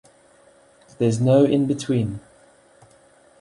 There's no in between.